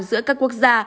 giữa các quốc gia